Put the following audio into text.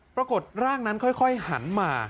ปรากฏร่างนั้นค่อยหันมา